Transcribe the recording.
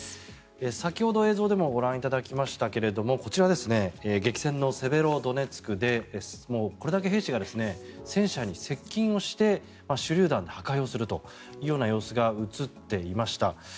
先ほど映像でもご覧いただきましたがこちら、激戦のセベロドネツクでこれだけ兵士が戦車に接近をして手りゅう弾で破壊するという様子が映っていました。